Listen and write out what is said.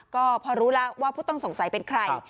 ก็พอรู้แล้วว่าผู้ต้องสงสัยเป็นใคร